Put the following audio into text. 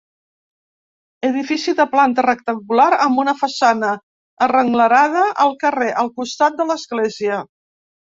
Edifici de planta rectangular amb una façana arrenglerada al carrer, al costat de l'església.